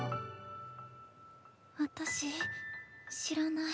私知らない。